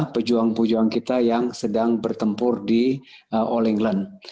pejuang pejuang kita yang sedang bertempur di all england